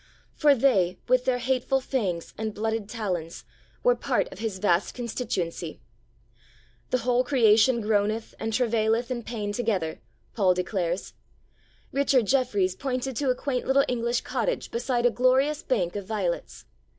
For they, with their hateful fangs and blooded talons, were part of His vast constituency. 'The whole creation groaneth and travaileth in pain together,' Paul declares. Richard Jefferies pointed to a quaint little English cottage beside a glorious bank of violets.